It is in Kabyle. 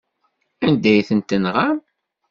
Anda ay tent-tenɣam?